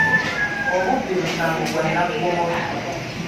Obubbi musango gwa nnaggomola.